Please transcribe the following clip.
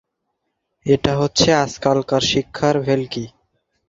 এটা হচ্ছে আজকালকার শিক্ষার ভেলকি।